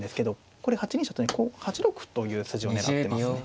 これ８二飛車とにこう８六歩という筋を狙ってますね。